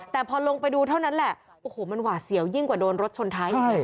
แต่พอลงไปดูเท่านั้นแหละโอ้โหมันหวาดเสียวยิ่งกว่าโดนรถชนท้ายอีกเลย